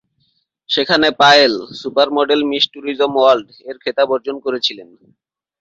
সেখানে Payel "super model miss tourism ওয়ার্ল্ড"-এর খেতাব অর্জন করেছিলেন।